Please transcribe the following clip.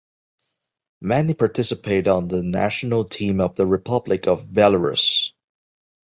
Many participate on the national team of the Republic of Belarus.